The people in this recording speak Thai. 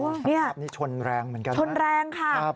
สภาพนี้ชนแรงเหมือนกันนะครับครับชนแรงค่ะ